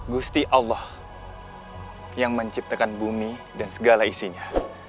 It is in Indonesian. gusti allah yang menciptakan bumi dan segala isinya